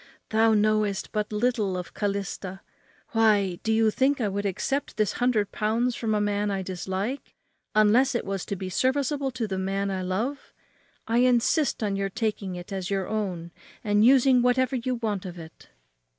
thou knowest but little of Calista. Why, do you think I would accept this hundred pounds from a man I dislike, unless it was to be serviceable to the man I love? I insist on your taking it as your own and using whatever you want of it."